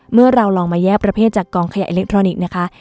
เมื่อเราลองมาแยกประเภทจากกองขยะอิเล็กทรอนิกส์นะคะ